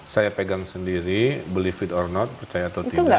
saya pegang sendiri beli feed or not percaya atau tidak